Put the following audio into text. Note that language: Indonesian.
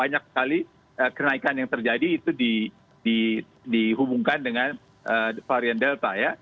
banyak sekali kenaikan yang terjadi itu dihubungkan dengan varian delta ya